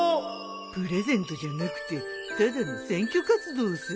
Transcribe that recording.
プレゼントじゃなくてただの選挙活動さ。